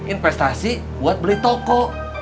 investasi buat beli toko